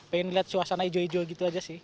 pengen lihat suasana hijau hijau gitu aja sih